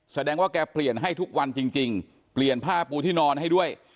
แสดงว่าแกเปลี่ยนให้ทุกวันจริงเปลี่ยนผ้าปูที่นอนให้ด้วย